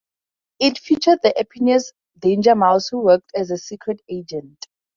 It featured the eponymous Danger Mouse who worked as a secret agent.